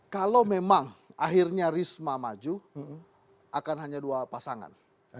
kalau memang akhirnya risma maju akan hanya dua pasangan